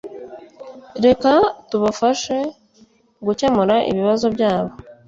reka tubafashe gukemura ibibazo byabo